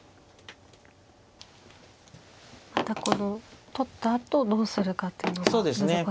またこの取ったあとどうするかっていうのが難しいですね。